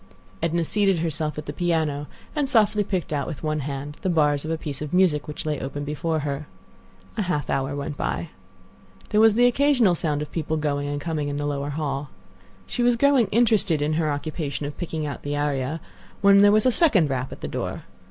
Edna seated herself at the piano, and softly picked out with one hand the bars of a piece of music which lay open before her. A half hour went by. There was the occasional sound of people going and coming in the lower hall. She was growing interested in her occupation of picking out the aria, when there was a second rap at the door.